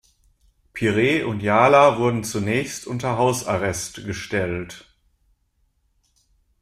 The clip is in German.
Pires und Ialá wurden zunächst unter Hausarrest gestellt.